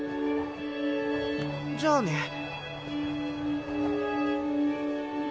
じゃあね。